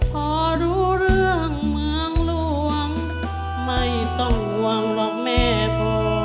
พอรู้เรื่องเมืองหลวงไม่ต้องห่วงหรอกแม่พอ